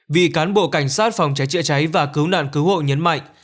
vị cán bộ cảnh sát phòng trái trịa cháy và cứu nạn cứu hộ nhấn mạnh